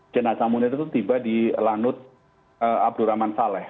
jenazah munir itu tiba di lanut abdurrahman saleh